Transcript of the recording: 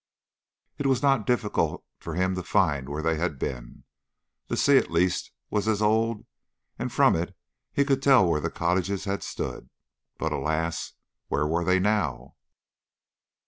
It was not difficult for him to find where they had been. The sea at least was as of old, and from it he could tell where the cottages had stood. But alas, where were they now!